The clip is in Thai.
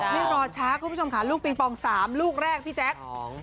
ไม่รอช้าคุณผู้ชมค่ะลูกปิงปอง๓ลูกแรกพี่แจ๊ค